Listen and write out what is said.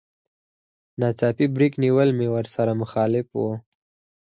ناڅاپي بريک نيول مې ورسره مخالف و.